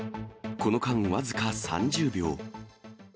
この間、僅か３０秒。